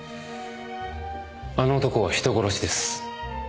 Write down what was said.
あの男は人殺しです。